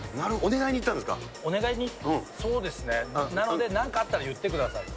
お願いに、そうですね、なので、なんかあったら言ってくださいって。